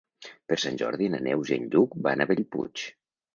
Per Sant Jordi na Neus i en Lluc van a Bellpuig.